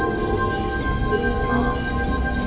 baru sampai sekarang fuerte ada